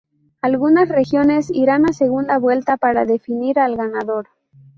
Algunas regiones irán a segunda vuelta para definir al ganador.